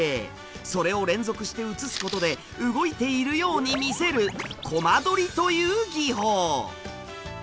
それを連続して映すことで動いているように見せる「コマ撮り」という技法。